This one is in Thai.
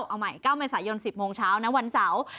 เอาใหม่๙เมษายน๑๐โมงเช้านะวันเสาร์